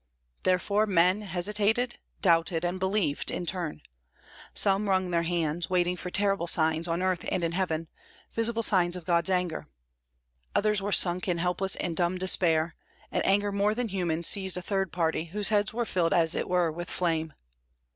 Therefore men hesitated, doubted, and believed in turn. Some wrung their hands, waiting for terrible signs on earth and in heaven, visible signs of God's anger; others were sunk in helpless and dumb despair; an anger more than human seized a third party, whose heads were filled as it were with flame.